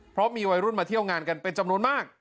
เพราะมีวัยรุ่นมาเที่ยวงานกันเป็นจำนวนมาก